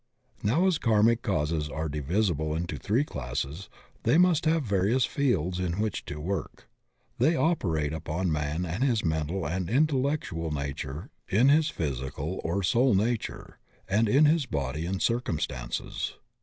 Now as karmic causes are divisible into three classes, they must have various fields in which to work. They operate upon man in his mental and intellectual na ture, in his psychical or soul nature, and in his body and circumstances.